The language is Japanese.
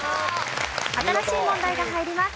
新しい問題が入ります。